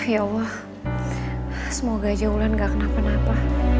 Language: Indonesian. ya allah semoga aja wulan gak kenapa napa